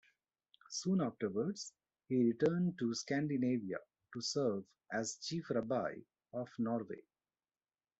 Soon afterwards, he returned to Scandinavia to serve as Chief Rabbi of Norway.